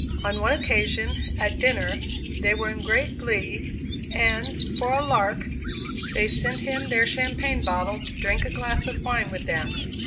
On one occasion, at dinner, they were in great glee, and, for a "lark," they sent him their champagne bottle to drink a glass of wine with them.